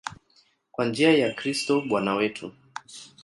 Kwa njia ya Kristo Bwana wetu.